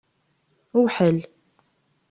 Wḥel.